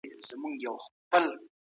پولیسو ځای وڅېړه.